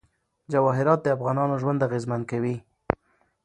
جواهرات د افغانانو ژوند اغېزمن کوي.